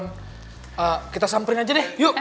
nah kita samperin aja deh yuk